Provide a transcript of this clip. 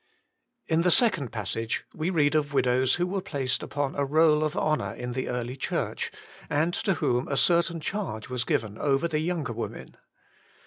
In the second passage we read of widows who were placed upon a roll of honour in the early Church, and to whom a certain charge was given over the younger women.